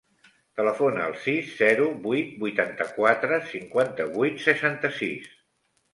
Telefona al sis, zero, vuit, vuitanta-quatre, cinquanta-vuit, seixanta-sis.